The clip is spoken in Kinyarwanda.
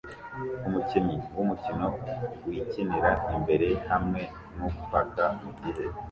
Umukinyi wumukino wikinira imbere hamwe nu paka mugihe